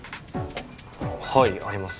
あはいあります。